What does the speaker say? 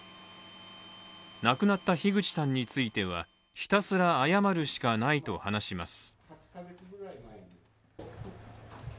亡くなった樋口さんについてはひたすら謝るしかないとはなします。